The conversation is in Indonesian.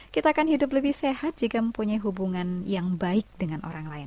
kita akan hidup lebih sehat jika mempunyai hubungan yang baik dengan orang lain